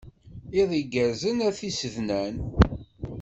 Iḍ igerrzen a tisednan.